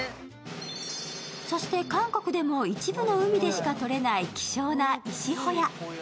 そして韓国でも一部の海でしかとれない希少な石ホヤ。